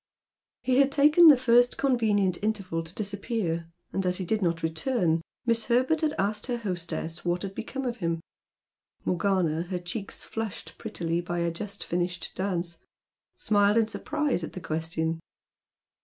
He had taken the first convenient interval to disappear, and as he did not return, Miss Herbert had asked her hostess what had become of him? Morgana, her cheeks flushed prettily by a just finished dance, smiled in surprise at the question.